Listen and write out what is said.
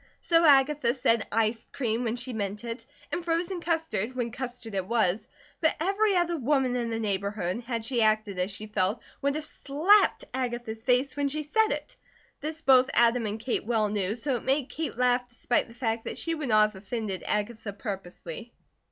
So Agatha said iced cream when she meant it, and frozen custard, when custard it was, but every other woman in the neighbourhood, had she acted as she felt, would have slapped Agatha's face when she said it: this both Adam and Kate well knew, so it made Kate laugh despite the fact that she would not have offended Agatha purposely.